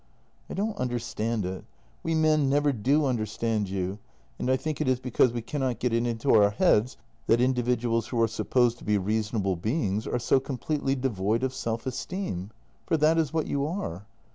" I don't understand it. We men never do understand you, and I think it is because we cannot get it into our heads that individuals who are supposed to be reasonable beings are so completely devoid of self esteem, for that is what you are.